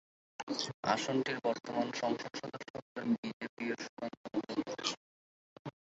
আসনটির বর্তমান সংসদ সদস্য হলেন বিজেপ-এর সুকান্ত মজুমদার।